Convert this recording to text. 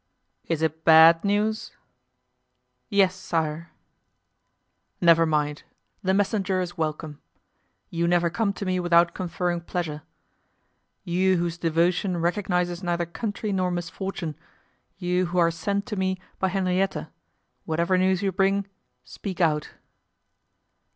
"It is bad news?" "Yes, sire." "Never mind; the messenger is welcome. You never come to me without conferring pleasure. You whose devotion recognizes neither country nor misfortune, you who are sent to me by Henrietta; whatever news you bring, speak out."